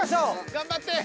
頑張って！